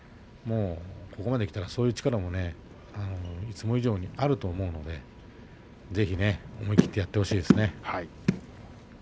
ここまできたらば、そういう力もいつも以上にあると思うのでぜひ思い切ってやってほしいですね。